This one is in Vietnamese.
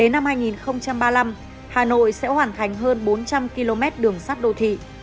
năm hai nghìn ba mươi năm hà nội sẽ hoàn thành hơn bốn trăm linh km đường sắt đô thị